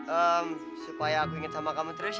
ehm supaya aku ingin sama kamu terus ya